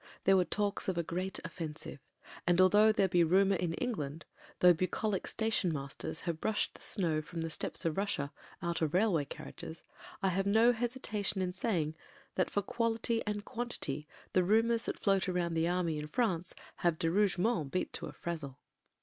There were talks of a great offensive — ^and although there be rumour in Eng land, though bucolic stationmasters have brushed the snow from the steppes of Russia out of railway car riages, I have no hesitation in saying that for quality and quantity the rumours that float round the army in France have de Rougemont beat to a frazzle.